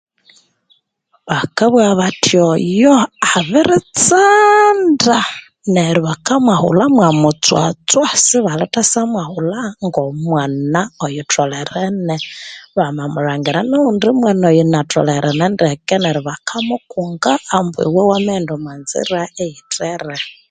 Bakabugha bathi oyo abiritsa ah nda neryo bakamwahulhamwa mutswatswa sibali thasya mwahulha ngo mwana oyutholerene bamamulhangira noghundi mwana oyunatholerene ndeke neryo baka mukunga ambu iwe wamaghenda omwa nzira eyithere